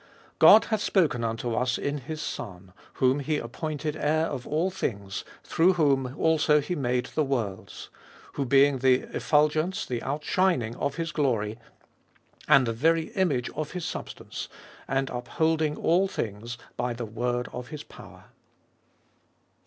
God hath spoken unto us in his Son, whom he appointed heir of all things, through whom also he made the worlds ; 3. Who being the effulgence1 of his glory, and the very image of his substance, and upholding all things by the word of his power.